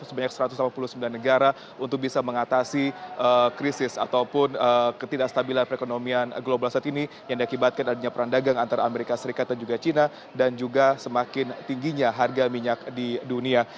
sebanyak satu ratus lima puluh sembilan negara untuk bisa mengatasi krisis ataupun ketidakstabilan perekonomian global saat ini yang diakibatkan adanya perang dagang antara amerika serikat dan juga cina dan juga semakin tingginya harga minyak di dunia